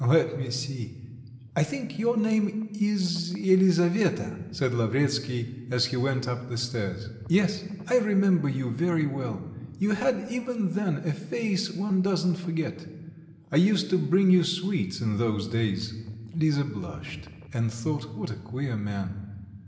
"Let me see, I think your name is Elisaveta?" said Lavretsky, as he went up the stairs. "Yes." "I remember you very well; you had even then a face one doesn't forget. I used to bring you sweets in those days." Lisa blushed and thought what a queer man.